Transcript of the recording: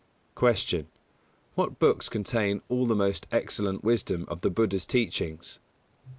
161. Q. _What books contain all the most excellent wisdom of the Buddha's teachings?